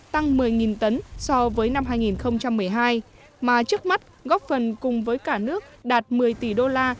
tăng một mươi tấn so với năm hai nghìn một mươi hai mà trước mắt góp phần cùng với cả nước đạt một mươi tỷ đô la